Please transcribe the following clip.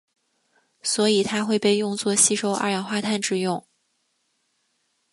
所以它会被用作吸收二氧化碳之用。